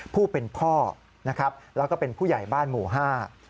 ผู้เป็นพ่อนะครับแล้วก็เป็นผู้ใหญ่บ้านหมู่ห้า